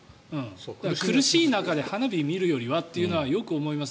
苦しい中で花火を見るよりはというのは、よく思います。